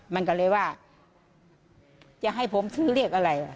มันก็เลยว่าจะให้ผมซื้อเรียกอะไร